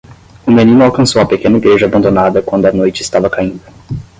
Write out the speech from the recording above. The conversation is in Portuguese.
O menino alcançou a pequena igreja abandonada quando a noite estava caindo.